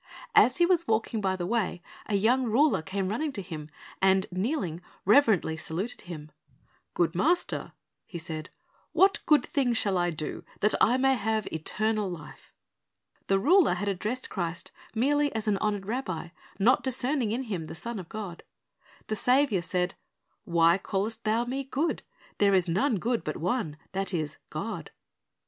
As He was walking by the way, a young ruler came running to Him, and kneeling, reverently saluted Him. "Good Master," he said, "what good thing shall I do, that I may have eternal life?" The ruler had addressed Christ merely as an honored rabbi, not discerning in Him the Son of God. The Saviour said, "Why callest thou Me good? There is none good but one, that is, God."